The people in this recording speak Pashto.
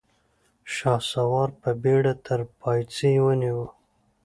شهسوار په بېړه تر پايڅې ونيو.